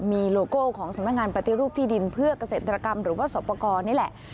มีโลโก้ของสำนักงานปฏิรูปที่ดินเพื่อเกษตรกรรมหรือว่าสอบประกอบนี่แหละ